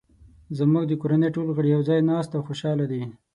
زموږ د کورنۍ ټول غړي یو ځای ناست او خوشحاله دي